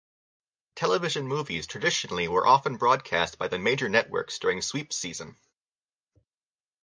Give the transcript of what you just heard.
Television movies traditionally were often broadcast by the major networks during sweeps season.